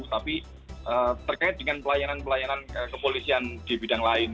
tapi terkait dengan pelayanan pelayanan kepolisian di bidang lain